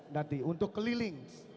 nanti untuk keliling